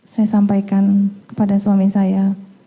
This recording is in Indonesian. saya sampaikan kepada suami saya